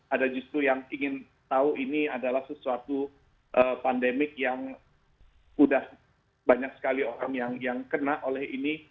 ada justru yang ingin tahu ini adalah sesuatu pandemik yang sudah banyak sekali orang yang kena oleh ini